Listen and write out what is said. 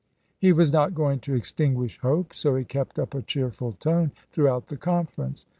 He was not going to extinguish hope; so he kept up a cheerful tone throughout the conference.